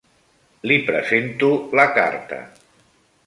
Li presento la carta.